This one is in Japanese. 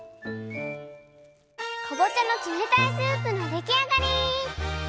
かぼちゃの冷たいスープのできあがり！